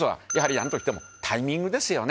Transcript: なんといってもタイミングですよね。